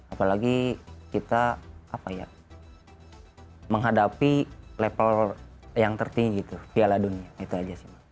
apalagi kita menghadapi level yang tertinggi piala dunia itu aja sih